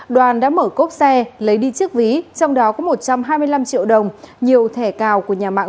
đoàn đã mở cốp xe lấy đi chiếc ví trong đó có một trăm hai mươi năm triệu đồng nhiều thẻ cào của nhà mạng